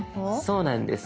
そうなんです。